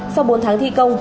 sau bốn tháng thi công